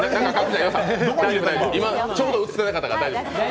今ちょうど映ってなかったから大丈夫。